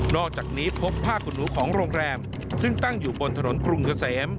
อกจากนี้พบผ้าขนหนูของโรงแรมซึ่งตั้งอยู่บนถนนกรุงเกษม